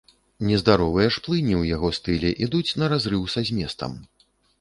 Нездаровыя ж плыні ў яго стылі ідуць на разрыў са зместам.